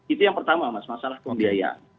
itu yang pertama mas masalah pembiayaan